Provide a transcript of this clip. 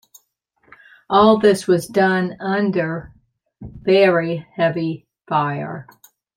All this was done under very heavy fire.